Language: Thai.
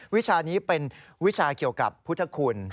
วิชานี้เป็นวิชาเกี่ยวกับพุทธคุณ